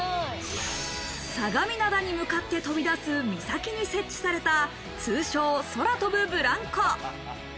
相模灘に向かって飛び出す岬に設置された、通称、空飛ぶブランコ。